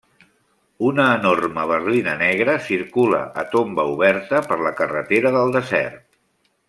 Una enorme berlina negra circula a tomba oberta per la carretera del desert.